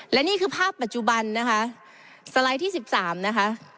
และนี่คือภาพปัจจุบันนะคะสไลด์ที่๑๓นะคะ